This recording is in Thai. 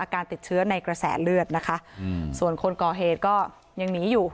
การติดเชื้อในกระแสเลือดนะคะส่วนคนก่อเหตุก็ยังหนีอยู่